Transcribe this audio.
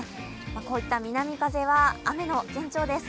こういった南風は雨の前兆です。